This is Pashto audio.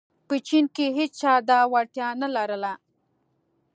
په چین کې هېچا دا وړتیا نه لرله.